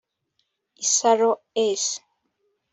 isaro s